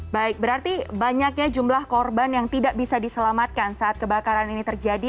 baik berarti banyaknya jumlah korban yang tidak bisa diselamatkan saat kebakaran ini terjadi